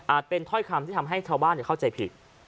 อาจเป็นถ้อยคำที่ทำให้เท่าบ้านจะเข้าใจผิด